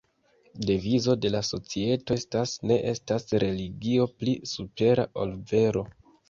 Devizo de la societo estas "ne estas religio pli supera ol vero".